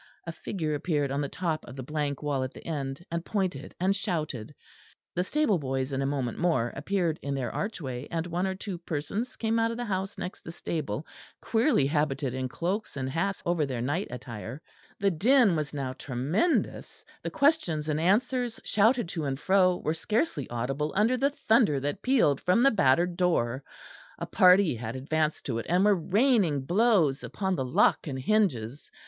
A figure appeared on the top of the blank wall at the end, and pointed and shouted. The stable boys in a moment more appeared in their archway, and one or two persons came out of the house next the stable, queerly habited in cloaks and hats over their night attire. The din was now tremendous; the questions and answers shouted to and fro were scarcely audible under the thunder that pealed from the battered door; a party had advanced to it and were raining blows upon the lock and hinges.